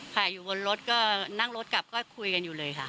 ค่ะอยู่บนรถก็นั่งรถกลับก็คุยกันอยู่เลยค่ะ